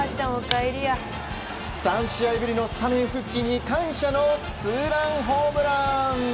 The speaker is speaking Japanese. ３試合ぶりのスタメン復帰に感謝のツーランホームラン。